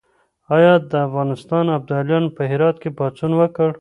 آیا د افغانستان ابدالیانو په هرات کې پاڅون وکړ؟